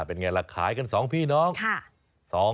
เป็นไงล่ะขายกัน๒พี่น้อง